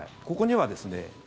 ここにはですね